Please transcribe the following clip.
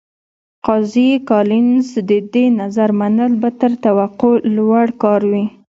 قاضي کالینز د دې نظر منل به تر توقع لوړ کار وي.